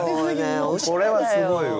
これはすごいわ。